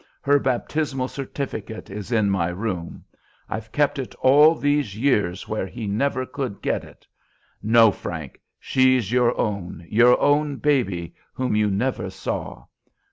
Her baptismal certificate is in my room. I've kept it all these years where he never could get it. No, Frank, she's your own, your own baby, whom you never saw.